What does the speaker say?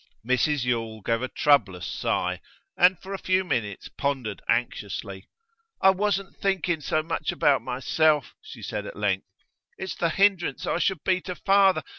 Mrs Yule gave a troublous sigh, and for a few minutes pondered anxiously. 'I wasn't thinking so much about myself' she said at length. 'It's the hindrance I should be to father.